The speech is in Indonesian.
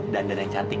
dandan yang cantik